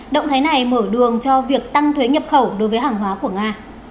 động thái này mở đường cho việc tăng thuế nhập khẩu đối với hàng hóa của nga